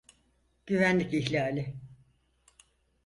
Güvenlik ihlali.